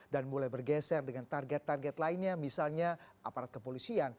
dan mulai bergeser dengan target target lainnya misalnya aparat kepolisian